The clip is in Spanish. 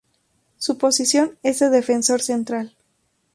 Su posición es de defensor central.